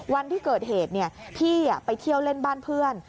วันที่เกิดเหตุพี่ไปเที่ยวเล่นบ้านเพื่อน